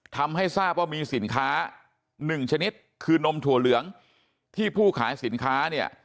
ทำให้ทราบว่ามีสินค้าหนึ่งชนิดคือนมถั่วเหลืองที่ผู้ขายสินค้าเนี่ย